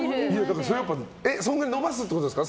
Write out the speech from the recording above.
そんなに伸ばすってことですか？